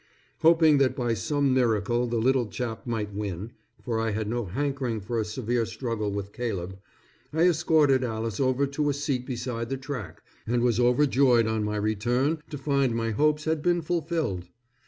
Hoping that by some miracle the little chap might win, for I had no hankering for a severe struggle with Caleb, I escorted Alice over to a seat beside the track and was overjoyed on my return to find my hopes had been fulfilled.